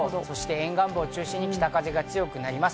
沿岸部を中心に北風が強くなります。